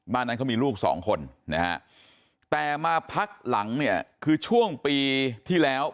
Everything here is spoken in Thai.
บ้านนั้นเขามีลูกสองคนนะฮะแต่มาพักหลังเนี่ยคือช่วงปีที่แล้ว